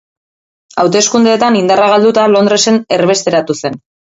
Hauteskundeetan indarra galduta Londresen erbesteratu zen.